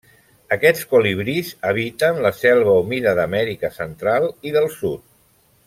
Aquests colibrís habiten la selva humida d'Amèrica Central i del Sud.